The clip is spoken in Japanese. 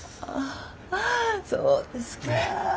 そうですか。